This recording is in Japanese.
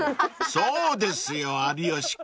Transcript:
［そうですよ有吉君］